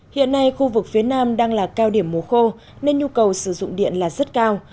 hiện nay khu vực phía nam đang là cao điểm mùa khô nên nhu cầu sử dụng điện là rất cao